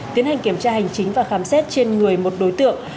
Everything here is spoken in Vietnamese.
tiến hành kiểm tra hành chính và khám xét trên người một đối tượng